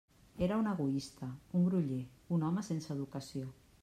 Era un egoista, un groller, un home sense educació.